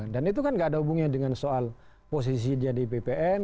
dan itu kan nggak ada hubungannya dengan soal posisi dia di bpn